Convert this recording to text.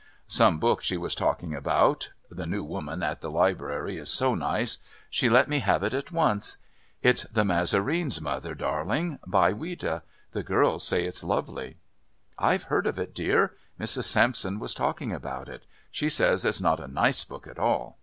Some book she was talking about. "...the new woman at the Library is so nice. She let me have it at once. It's The Massarenes, mother, darling, by Ouida. The girls say it's lovely." "I've heard of it, dear. Mrs. Sampson was talking about it. She says it's not a nice book at all.